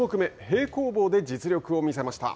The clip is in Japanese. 平行棒で実力を見せました。